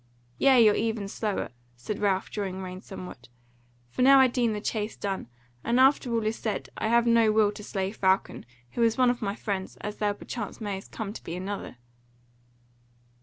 "Yea, or even slower," said Ralph, drawing rein somewhat, "for now I deem the chase done: and after all is said, I have no will to slay Falcon, who is one of my friends, as thou perchance mayest come to be another."